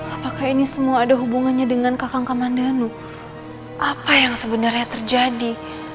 apakah ini semua ada hubungannya dengan kakang kamandanu apa yang sebenarnya terjadi